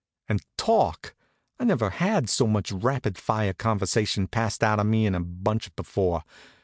And talk! I never had so much rapid fire conversation passed out to me all in a bunch before.